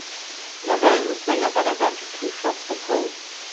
Lowell ist Sänger bei der Band "Two Shots for Poe".